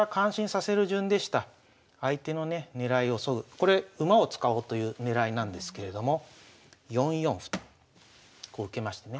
これ馬を使おうという狙いなんですけれども４四歩とこう受けましてね。